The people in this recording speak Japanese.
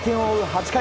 ８回。